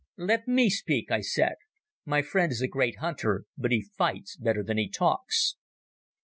"Let me speak," I said. "My friend is a great hunter, but he fights better than he talks.